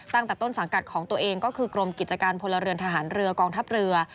ตั้งแต่ต้นสังกัดของตัวเองก็คือกรมกิจการพลเรือนทหารเรือกองทัพเรือ